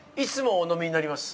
お飲みになりますか？